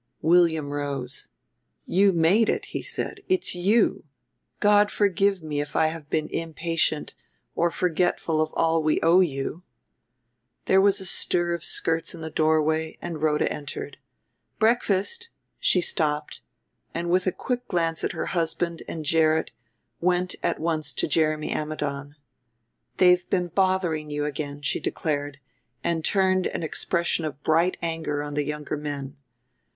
William rose. "You made it," he said; "it's you. God forgive me if I have been impatient or forgetful of all we owe you." There was a stir of skirts in the doorway, and Rhoda entered. "Breakfast " she stopped, and with a quick glance at her husband and Gerrit went at once to Jeremy Ammidon. "They've been bothering you again," she declared, and turned an expression of bright anger on the younger men.